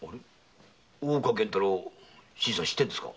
大岡源太郎を知っているんですか？